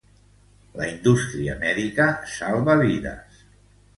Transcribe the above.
La indústria mèdica salva vides.